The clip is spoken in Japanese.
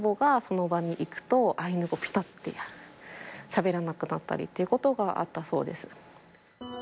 アイヌ語をぴたってしゃべらなくなったりっていうことがあったそうです。